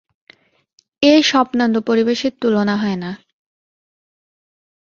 এ স্বপ্নালু পরিবেশের তুলনা হয় না।